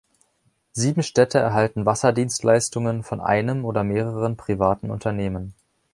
Sieben Städte erhalten Wasserdienstleistungen von einem oder mehreren privaten Unternehmen.